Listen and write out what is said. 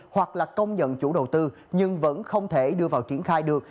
hoặc là công nhận chủ đầu tư nhưng vẫn không thể đưa vào triển khai được